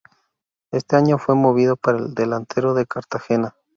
Este año fue movido para el delantero de Cartagena.